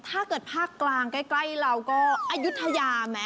ถ้าเกิดภาคกลางใกล้เราก็อาหญุดทญาแม่